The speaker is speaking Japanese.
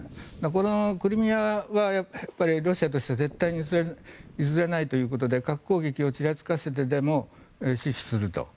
このクリミアはロシアとしては絶対に譲れないということで核攻撃をちらつかせてでも死守すると。